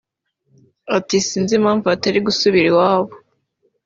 Ati “Sinzi impamvu batari gusubira iwabo